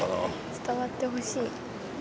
伝わってほしい。